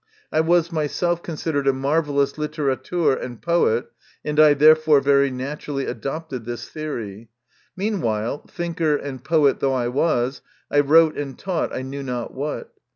I was myself considered a marvellous litterateur and poet, and I therefore very naturally adopted this theory. Meanwhile, thinker and poet though I was, I wrote and taught I knew not what.